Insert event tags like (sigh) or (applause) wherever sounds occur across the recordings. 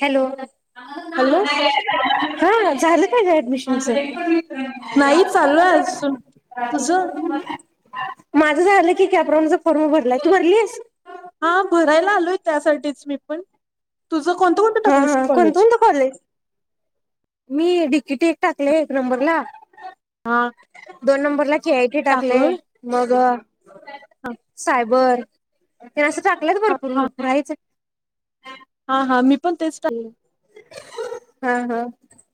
Hello hello हा झालं का ग ऍडमिशन नाही चालू आहे अजून तुझं (unintelligible) माझं झालं की कॅप्रोनचा फॉर्म भरलाय तू भरलीस हा भरायला आलोय त्यासाठीच मी पण तुझं कोणतं कोणतं हा, टाकलीस हा कोणतं, कॉलेज कोणतं कॉलेज मी डिकेटी एक टाकलय एक नंबरला हा दोन नंबरला केआयटी टाकलेय टाकलोय मग हा सायबर ते असं टाकलेत हा भरपूर, हा भरपूर हायच हा, हा मी पण तेच टाक हा, हा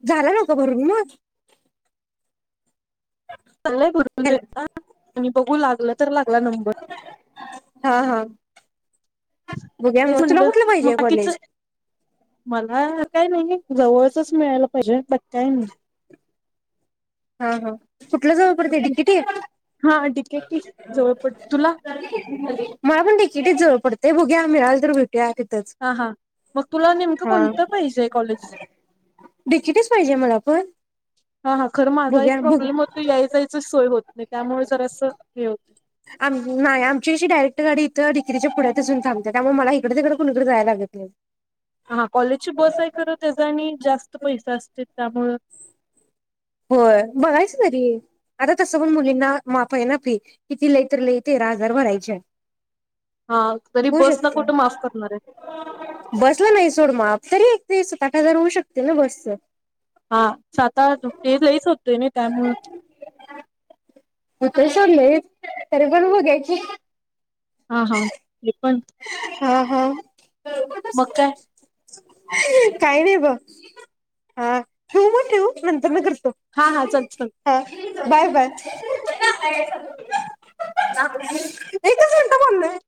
झाला नवका भरून मग झालाय भरून हॅलो तेन आता आणि बघू लागलं तर लागला नंबर हा, हा बघुया तेच मग तुला म्हणलं कुठलं मग पाहिजेय बाकीच कॉलेज मला काय नाही जवळचच मिळायला पाहिजे बाकी काय नाही हा, हा कुठलं जवळ पडतय डिकेटी हा ठीक आहे की जवळ पड तुला मला पण डि के टीच जवळ पडतय बघुया मिळाल तर त्या तिथच हा हा मग तुला नेमकं हां कोणतं पाहिजे कॉलेज डि के टीच पाहिजे मला पण हा हा खरं माझा एक बघूया प्रॉब्लेम बघूया होतो, याय जायच सोय होत नाही, त्यामुळे जरासं हे होतं आ नाही आमची कशी डायरेक्ट गाडी इथं डि के टी च्या पुढ्यातच येऊन थांबत्या, त्यामुळे मला हिकडं तिकडं कुणीकडे जाया लागत नाही. हा कॉलेजची बस आहे खरं, त्याचं आणि जास्त पैसे असत्यात त्यामुळं होय, बघायचं तरी. आता तसं पण मुलींना माफ हाय ना फी, किती लई तर लई तेरा हजार भरायची हाय. हा, तरी बस ला कुठं माफ करणार हाईत. बसला नाही सोड माफ, तरी एक ते सत आठ हजार होऊ शकते ना बसचं. हा, सात आठ ते लईच होतय नाही त्यामुळं हुतंय सोड लई, तरी पण बघुया की. हा हा, ते पण हा हा मग काय काय नाही बघ हा ठेवू मग ठेवू नंतरनं करतो. हा हा चल हा बाय बाय. एकच मिनिटं चल बोललोय.